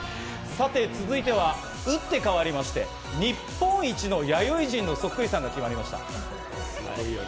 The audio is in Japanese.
続いてはうって変わりまして、日本一の弥生人のそっくりさんが決まりました。